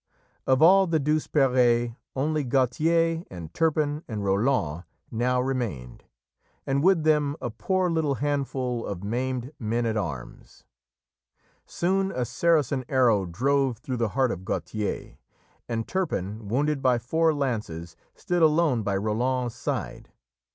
Of all the Douzeperes, only Gautier and Turpin and Roland now remained, and with them a poor little handful of maimed men at arms. Soon a Saracen arrow drove through the heart of Gautier, and Turpin, wounded by four lances, stood alone by Roland's side.